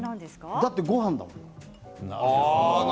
だって、ごはんだもん。